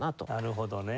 なるほどね。